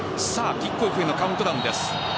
キックオフへのカウントダウンです。